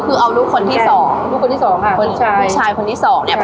คือเอาลูกคนที่สองลูกคนที่สองค่ะคนสองผู้ชายคนที่สองเนี่ย